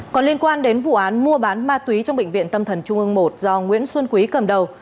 còn liên quan đến vụ án mua bán ma túy trong bệnh viện tâm thần trung ương một do nguyễn xuân quý cầm đầu